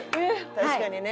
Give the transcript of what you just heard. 確かにね。